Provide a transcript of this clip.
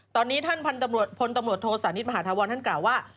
ตอนนี้ท่านพลตำรวจโทษานิทมหาธาวรท่านกล่าวว่า